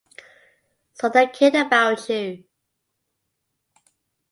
So they cared about you.